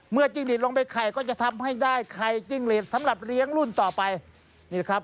จิ้งหลีดลงไปไข่ก็จะทำให้ได้ไข่จิ้งหลีดสำหรับเลี้ยงรุ่นต่อไปนี่แหละครับ